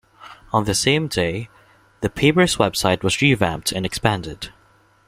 On the same day, the paper's website was revamped and expanded.